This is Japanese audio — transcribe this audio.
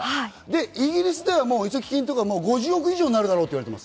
イギリスでは移籍金とが５０億以上になるだろうと言われています。